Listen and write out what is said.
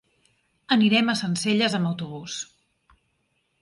Anirem a Sencelles amb autobús.